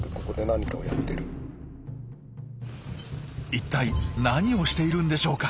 一体何をしているんでしょうか？